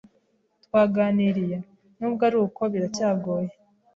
Twaganiriye?nubwo aruko biracyagoye